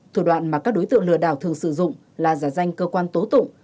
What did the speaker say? thủ đoạn mà các đối tượng lừa đảo thường sử dụng là giả danh cơ quan tố tụng